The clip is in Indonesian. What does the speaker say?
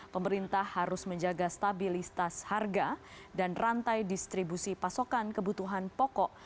pemerintah harus menjaga stabilitas harga dan rantai distribusi pasokan kebutuhan pokok